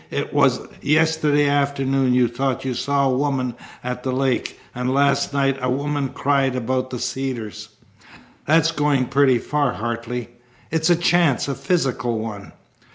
It was yesterday afternoon you thought you saw a woman at the lake, and last night a woman cried about the Cedars " "That's going pretty far, Hartley." "It's a chance. A physical one."